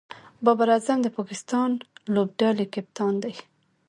بابر اعظم د پاکستان لوبډلي کپتان دئ.